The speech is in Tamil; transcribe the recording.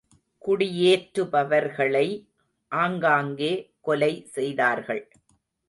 குடியேற்றுபவர்களை ஆங்காங்கே கொலைசெய்தார்கள்.